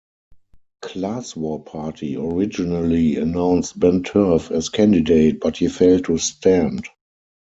Class War Party originally announced Ben Turff as candidate, but he failed to stand.